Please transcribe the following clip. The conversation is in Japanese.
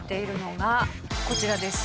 こちらです。